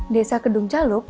desa kedung caluk